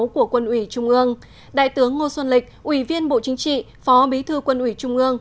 của quân ủy trung ương đại tướng ngô xuân lịch ủy viên bộ chính trị phó bí thư quân ủy trung ương